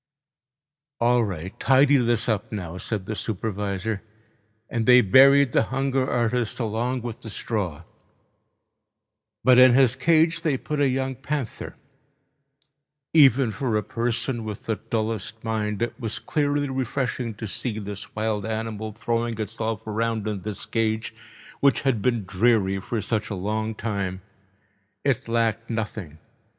"All right, tidy this up now," said the supervisor. And they buried the hunger artist along with the straw. But in his cage they put a young panther. Even for a person with the dullest mind it was clearly refreshing to see this wild animal throwing itself around in this cage, which had been dreary for such a long time. It lacked nothing.